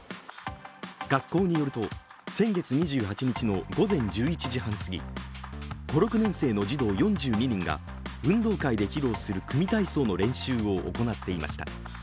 学校によると先月２８日の午前１１時半すぎ、５６年生の児童４２人が、運土塊で疲労する組体操の練習を行っていました。